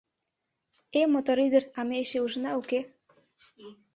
Э, мотор ӱдыр, а ме эше ужына, уке?